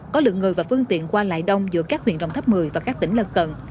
có lượng người và phương tiện qua lại đông giữa các huyện rộng thấp một mươi và các tỉnh lần cận